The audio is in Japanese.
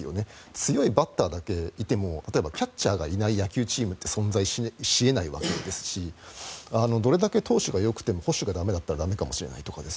強いバッターだけいても例えばキャッチャーがいない野球チームって存在し得ないわけですしどれだけ投手がよくても捕手が駄目だったら駄目かもしれないとか